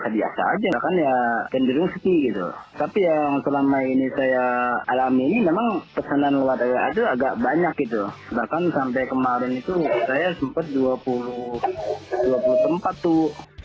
dan itu saya sempat dua puluh tempat tuh